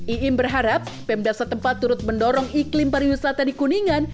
iim berharap pemda setempat turut mendorong iklim pariwisata di kuningan